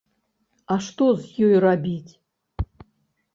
А што з ёй рабіць?